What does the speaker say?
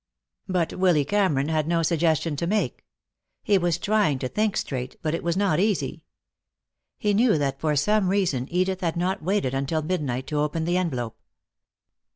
But Willy Cameron had no suggestion to make. He was trying to think straight, but it was not easy. He knew that for some reason Edith had not waited until midnight to open the envelope.